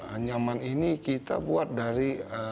anyaman ini kita buat dari